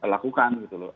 lakukan gitu loh